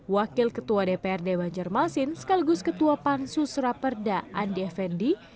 wakil ketua dprd banjarmasin sekaligus ketua pansus raperda andi effendi